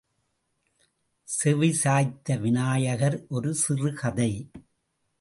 செவிசாய்த்த விநாயகர் ஒரு சிறு கதை.